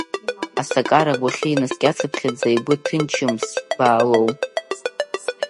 Асакара агәахьы инаскьацыԥхьаза игәы ҭынчымзт Баалоу.